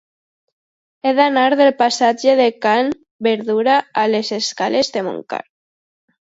He d'anar del passatge de Can Berdura a les escales de Montclar.